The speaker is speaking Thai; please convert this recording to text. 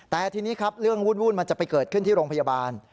แต่ทีนี้ครับเรื่องวุ่นมันจะไปเกิดขึ้นที่โรงพยาบาล